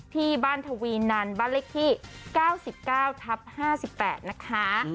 ที่บ้านทวีนันบ้านเลขที่๙๙๕๘นะคะ